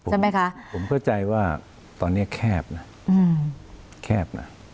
ใช่ไหมคะผมเข้าใจว่าตอนนี้แคบนะแคบนะ